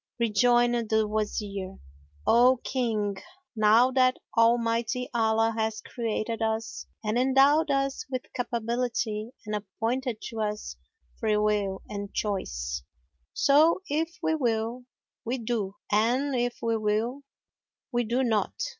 Rejoined the Wazir, "O King, know that Almighty Allah hath created us and endowed us with capability and appointed to us freewill and choice; so, if we will, we do, and if we will, we do not.